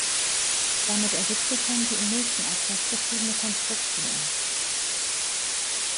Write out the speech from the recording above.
Damit ergibt sich dann die im nächsten Absatz beschriebene Konstruktion.